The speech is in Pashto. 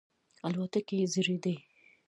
الوتکې یې زړې دي.